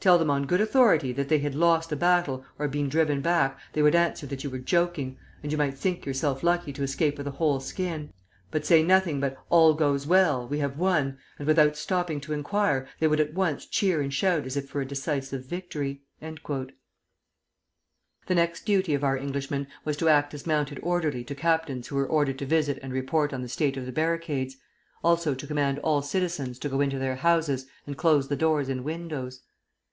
Tell them on good authority that they had lost a battle or been driven back, they would answer that you were joking, and you might think yourself lucky to escape with a whole skin; but say nothing but 'All goes well! We have won!' and without stopping to inquire, they would at once cheer and shout as if for a decisive victory." [Footnote 1: At that time the execution of the hostages was taking place within the prison.] The next duty of our Englishman was to act as mounted orderly to captains who were ordered to visit and report on the state of the barricades, also to command all citizens to go into their houses and close the doors and windows.